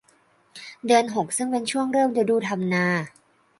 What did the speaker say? เดือนหกซึ่งเป็นช่วงเริ่มฤดูทำนา